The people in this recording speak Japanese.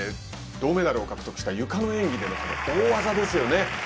銅メダルを獲得したゆかの演技で大技ですよね。